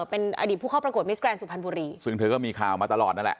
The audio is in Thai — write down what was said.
เป็นอดีตผู้เข้าประกวดมิสแกรนดสุพรรณบุรีซึ่งเธอก็มีข่าวมาตลอดนั่นแหละ